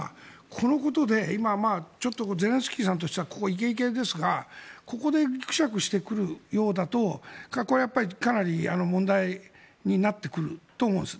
このことで今、ちょっとゼレンスキーさんとしてはここ、いけいけですがここでぎくしゃくしてくるようだとやっぱりかなり問題になってくると思うんです。